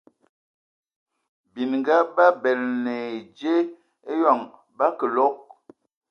Bininga ba bələna ai dze eyoŋ ba kəlɔg.